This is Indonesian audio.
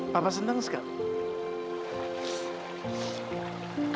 papa senang sekali